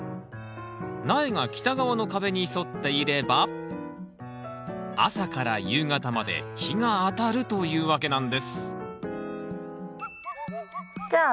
苗が北側の壁に沿っていれば朝から夕方まで日が当たるというわけなんですじゃあ